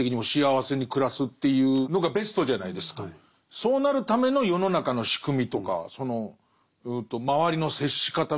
そうなるための世の中の仕組みとかその周りの接し方みたいのを。